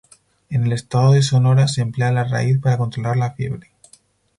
En el estado de Sonora se emplea la raíz para controlar la fiebre.